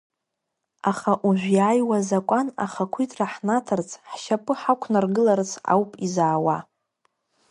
Аха уажә иаауа азакәан ахақәиҭра ҳнаҭарц, ҳшьапы ҳақәнаргыларц ауп изаауа.